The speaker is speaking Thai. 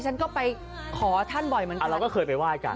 ฉันก็ไปขอท่านบ่อยเหมือนกัน